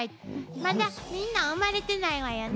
まだみんな生まれてないわよね。